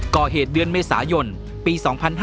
ก่อเหตุเดือนเมษายนปี๒๕๕๙